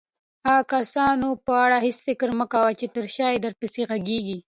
د هغه کسانو په اړه هيڅ فکر مه کوه چې تر شاه درپسې غږيږي.